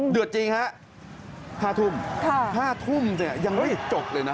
เดือดจริงครับ๕ทุ่มนี่ยังไม่จกเลยนะ